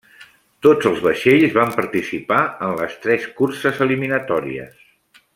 Tots els vaixells van participar en les tres curses eliminatòries.